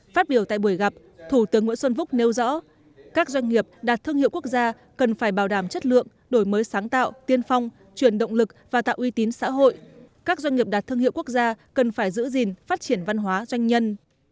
phát biểu tại buổi gặp thủ tướng nguyễn xuân phúc nêu rõ các doanh nghiệp đạt thương hiệu quốc gia cần phải bảo đảm chất lượng đổi mới sáng tạo tiên phong chuyển động lực và tạo uy tín xã hội các doanh nghiệp đặt thương hiệu quốc gia cần phải giữ gìn phát triển văn hóa doanh nhân